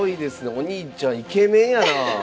お兄ちゃんイケメンやなあ。